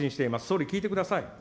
総理、聞いてください。